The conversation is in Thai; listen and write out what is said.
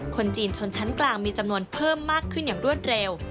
คนจีนชนชั้นกลางมีจำนวนเพิ่มมากขึ้นอย่างรวดเร็ว